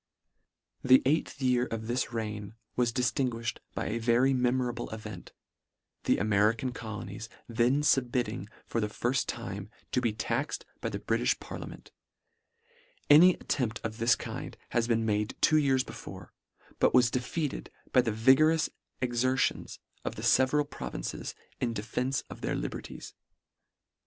The eighth year of this reign was dif tinguifhed by a very memorable event, the American colonies then Submitting for the firft time, to be taxed by the Britifh parlia ment. An attempt of this kind had been made two years before, but was defeated by P ii 4 LETTER X. the vigorous exertions ofthefeveral provinces in defence of their liberties.